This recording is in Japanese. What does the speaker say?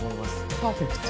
パーフェクト！